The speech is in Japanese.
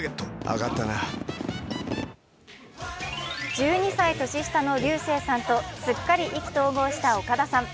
１２歳年下の竜星さんとすっかり意気投合した岡田さん。